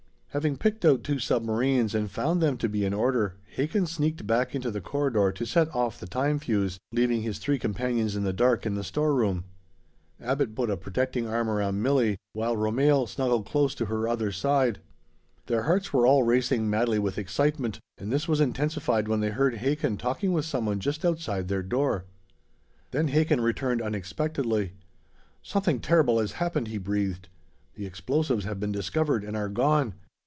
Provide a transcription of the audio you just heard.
Having picked out two submarines and found them to be in order, Hakin sneaked back into the corridor to set off the time fuse, leaving his three companions in the dark in the storeroom. Abbot put a protecting arm around Milli, while Romehl snuggled close to her other side. Their hearts were all racing madly with excitement, and this was intensified when they heard Hakin talking with someone just outside their door. Then Hakin returned unexpectedly. "Something terrible has happened!" he breathed. "The explosives have been discovered and are gone.